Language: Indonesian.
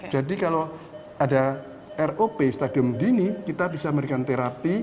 jadi kalau ada rop stadium dini kita bisa memberikan terapi